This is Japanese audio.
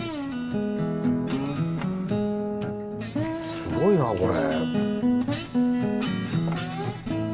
すごいなこれ。